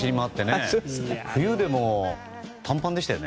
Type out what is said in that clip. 冬でも短パンでしたよね。